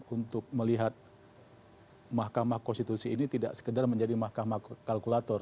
untuk melihat mahkamah konstitusi ini tidak sekedar menjadi mahkamah kalkulator